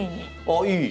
あっいい！